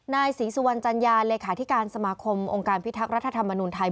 นายศรีสุวรรณจัญญาเลขาธิการสมาคมองค์การพิทักษ์รัฐธรรมนุนไทย